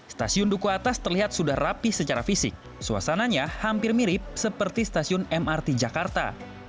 stasiun duku atas terlihat sudah rapi secara fisik suasananya hampir mirip seperti stasiun mrt jakarta